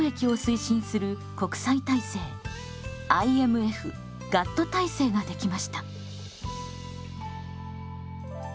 ＩＭＦ−ＧＡＴＴ体制が出来ました。